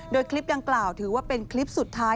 โดยคลิปดังกล่าวถือว่าเป็นคลิปสุดท้าย